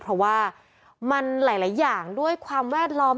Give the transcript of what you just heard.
เพราะว่ามันหลายอย่างด้วยความแวดล้อม